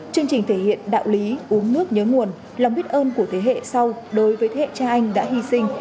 chương trình thể hiện đạo lý uống nước nhớ nguồn lòng biết ơn của thế hệ sau đối với thế hệ cha anh đã hy sinh